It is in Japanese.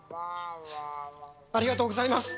ありがとうございます！